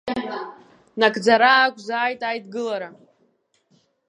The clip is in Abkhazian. Нагӡара ақәзааит Аидгылара!